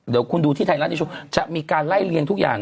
เดี๋ยวคุณดูที่ไทยรัฐนิวโชว์จะมีการไล่เรียนทุกอย่าง